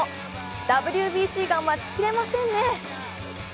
ＷＢＣが待ちきれませんね。